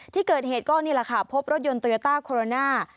ที่เกิดเหตุก็นี่แหละค่ะพบรถยนต์โตโยต้าโคโรนา